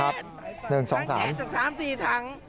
ทางเกรดต่อ๓๔ถัง